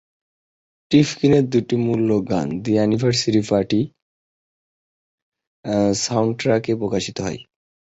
টিফকিনের দুটি মূল গান "দ্য অ্যানিভার্সারি পার্টি" সাউন্ডট্র্যাকে প্রকাশিত হয়।